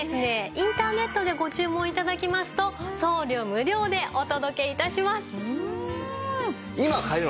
インターネットでご注文頂きますと送料無料でお届け致します。